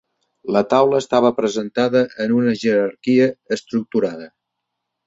La taula estava presentada en una jerarquia estructurada.